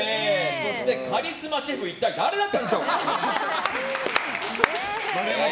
そしてカリスマシェフは一体誰だったんでしょうか。